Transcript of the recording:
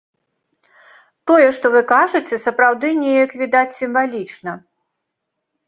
Тое, што вы кажаце, сапраўды неяк відаць сімвалічна.